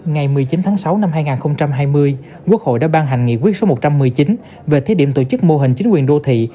ngày một mươi chín tháng sáu năm hai nghìn hai mươi quốc hội đã ban hành nghị quyết số một trăm một mươi chín về thiết điểm tổ chức mô hình chính quyền đô thị